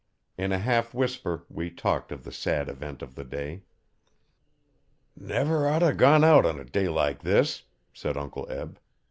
In a half whisper we talked of the sad event of the day. 'Never oughter gone out a day like this,' said Uncle Eb.